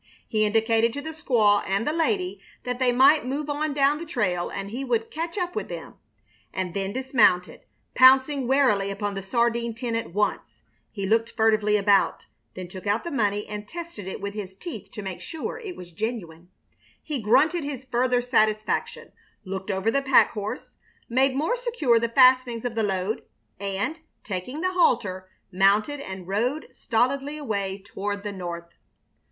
He indicated to the squaw and the lady that they might move on down the trail, and he would catch up with them; and then dismounted, pouncing warily upon the sardine tin at once. He looked furtively about, then took out the money and tested it with his teeth to make sure it was genuine. He grunted his further satisfaction, looked over the pack horse, made more secure the fastenings of the load, and, taking the halter, mounted and rode stolidly away toward the north.